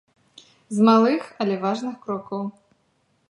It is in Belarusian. З малых, але важных крокаў.